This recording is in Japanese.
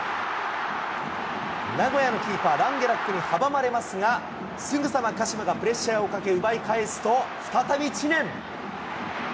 名古屋のキーパー、ランゲラックに阻まれますが、すぐさま鹿島がプレッシャーをかけ、奪い返すと、再び知念。